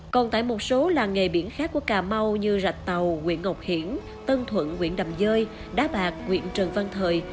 còn tại một số làng nghề biển khác của cà mau như rạch tàu nguyễn ngọc hiển tân thuận nguyễn đầm dơi đá bạc nguyễn trần văn thời